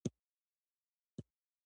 ده وویل چې اولاد بې وفا دی.